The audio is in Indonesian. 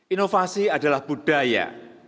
inovasi adalah budaya